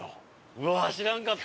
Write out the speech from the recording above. うわっ知らんかった！